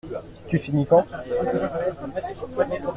Tu finis quand?